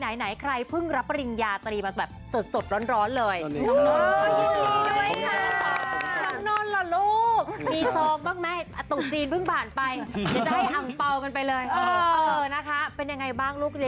เออนะคะเป็นยังไงบ้างลูกเรียนจบคณะไหนครับ